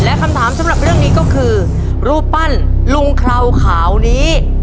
และคำถามสำหรับเรื่องนี้ก็คือรูปปั้นลุงเคราวขาวนี้